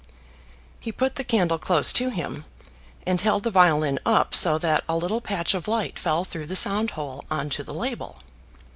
He put the candle close to him, and held the violin up so that a little patch of light fell through the sound hole on to the label.